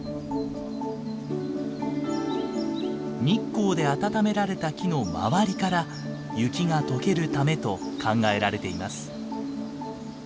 日光で暖められた木の周りから雪が解けるためと考えられています。